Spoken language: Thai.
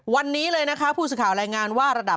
วันนี้เลยนะคะผู้สุข่าวแรงงานว่า